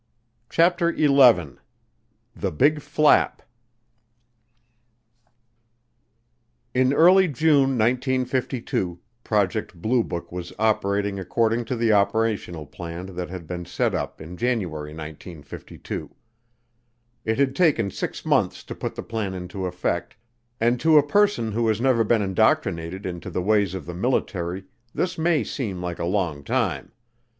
CHAPTER ELEVEN The Big Flap In early June 1952, Project Blue Book was operating according to the operational plan that had been set up in January 1952. It had taken six months to put the plan into effect, and to a person who has never been indoctrinated into the ways of the military, this may seem like a long time.